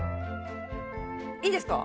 いいですか？